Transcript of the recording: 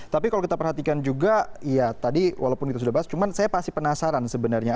tapi kalau kita perhatikan juga ya tadi walaupun kita sudah bahas cuman saya pasti penasaran sebenarnya